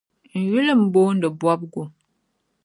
N yuli m-booni Bɔbigu.